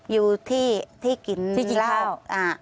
อยู่ที่กินข้าว